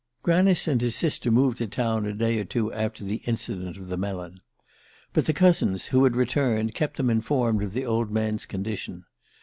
Granice and his sister moved to town a day or two after the incident of the melon. But the cousins, who had returned, kept them informed of the old man's condition.